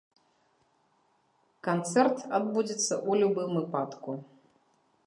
Канцэрт адбудзецца ў любым выпадку.